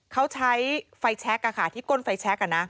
เขาใช้ไฟแชคค่ะที่ก้นไฟแชคค่ะนะ